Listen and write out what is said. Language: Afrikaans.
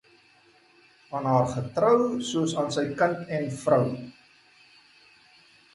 Aan haar getrou soos aan sy kind en vrou.